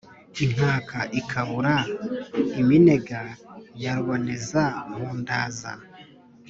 Inkaka ikabura iminega ya Rubonezampundaza